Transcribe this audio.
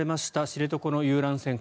知床の遊覧船